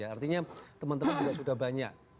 artinya teman teman juga sudah banyak